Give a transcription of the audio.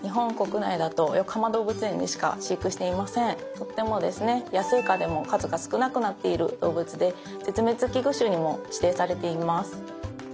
とっても野生下でも数が少なくなっている動物で絶滅危惧種にも指定されています。